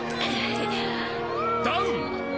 「ダウン」